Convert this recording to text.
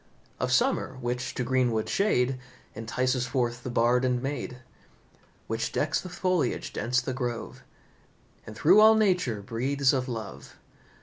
Of summer which to greenwood shade Entices forth the Bard and maid; Which decks with foliage dense the grove, And through all nature breathes of love.